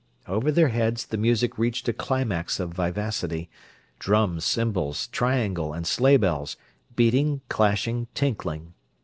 Over their heads the music reached a climax of vivacity: drums, cymbals, triangle, and sleighbells, beating, clashing, tinkling.